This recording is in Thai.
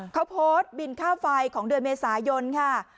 เขาโพสต์บินค่าไฟของเดือนเมษายนค่ะ